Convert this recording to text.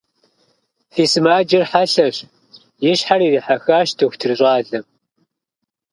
Фи сымаджэр хьэлъэщ, – и щхьэр ирихьэхащ дохутыр щӏалэм.